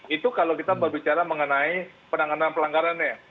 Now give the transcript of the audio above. itu kalau kita berbicara mengenai penanganan pelanggarannya